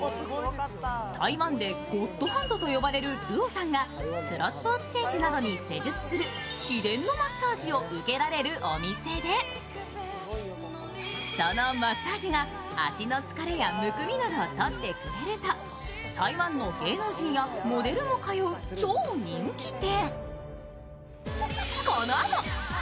台湾でゴッドハンドと呼ばれるルオさんがプロスポーツ選手などに施術する秘伝のマッサージを受けられるお店でそのマッサージが足の疲れやむくみなどを取ってくれると、台湾の芸能人やモデルも通う超人気店。